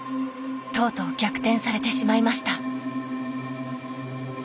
とうとう逆転されてしまいました。